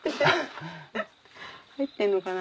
入ってんのかな？